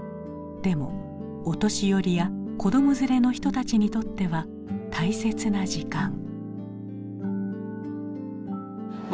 でもお年寄りや子ども連れの人たちにとっては大切な時間。